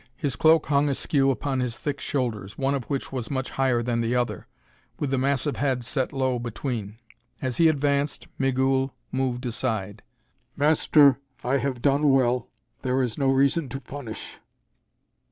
His cloak hung askew upon his thick shoulders, one of which was much higher than the other, with the massive head set low between. As he advanced, Migul moved aside. "Master, I have done well. There is no reason to punish."